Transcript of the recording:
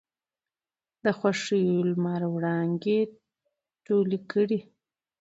د خـوښـيو لمـر وړانـګې تـولې کـړې.